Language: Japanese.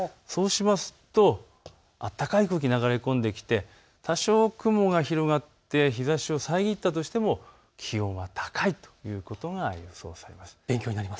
そうすると暖かい空気が流れ込んできて多少雲が広がって日ざしを遮ったとしても気温は高いということが予想されます。